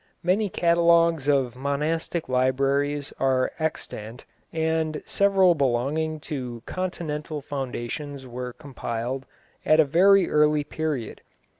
Many catalogues of monastic libraries are extant, and several belonging to continental foundations were compiled at a very early period.